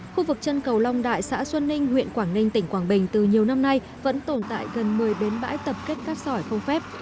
khu vực chân cầu long đại xã xuân ninh huyện quảng ninh tỉnh quảng bình từ nhiều năm nay vẫn tồn tại gần một mươi bến bãi tập kết cát sỏi không phép